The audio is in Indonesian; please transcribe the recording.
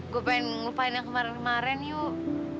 gue pengen ngelupain yang kemarin kemarin yuk